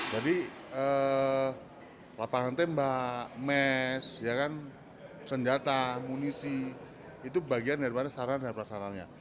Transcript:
jadi lapangan tembak mes senjata munisi itu bagian daripada sarana dan prasarannya